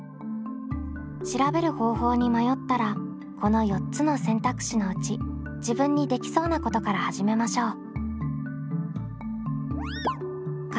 調べる方法に迷ったらこの４つの選択肢のうち自分にできそうなことから始めましょう。